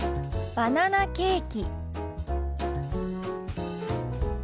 「バナナケーキ」。